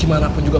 gimana pun juga